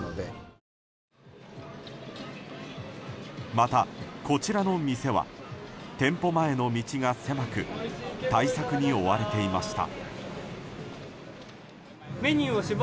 また、こちらの店は店舗前の道が狭く対策に追われていました。